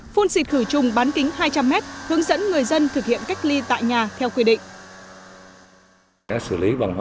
phun xịt khử trùng bán kính hai trăm linh m hướng dẫn người dân thực hiện cách ly tại nhà theo quy định